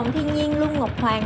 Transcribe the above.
tổng thiên nhiên luân ngọc hoàng